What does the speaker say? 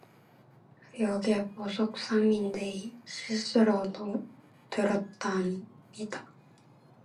여기 보석삼인데 실수로 눌렀답니다